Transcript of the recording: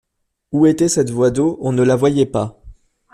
Où était cette voie d’eau? on ne la voyait pas.